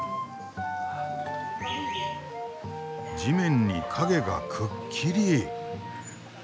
地面に影がくっきり。